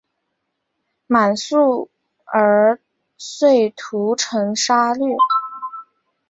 满速儿遂屠城杀掠。